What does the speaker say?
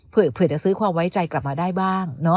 เผื่อจะซื้อความไว้ใจกลับมาได้บ้าง